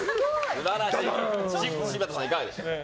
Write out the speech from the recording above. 柴田さん、いかがでしたか。